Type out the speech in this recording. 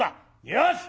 よし！